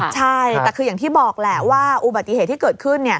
ใช่แต่คืออย่างที่บอกแหละว่าอุบัติเหตุที่เกิดขึ้น